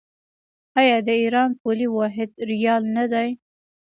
آیا د ایران پولي واحد ریال نه دی؟